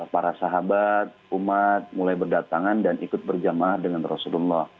para sahabat umat mulai berdatangan dan ikut berjamaah dengan rasulullah